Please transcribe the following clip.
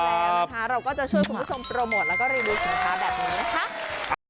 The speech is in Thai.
แล้วนะคะเราก็จะช่วยคุณผู้ชมโปรโมทแล้วก็รีวิวสินค้าแบบนี้นะคะ